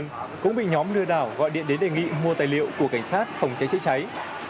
lúc đó anh nguyễn đảo gọi điện đến đề nghị mua tài liệu của cảnh sát phòng trái trữ trái